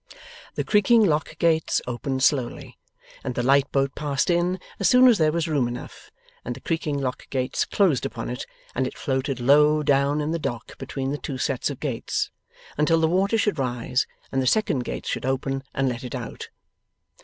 The creaking lock gates opened slowly, and the light boat passed in as soon as there was room enough, and the creaking lock gates closed upon it, and it floated low down in the dock between the two sets of gates, until the water should rise and the second gates should open and let it out.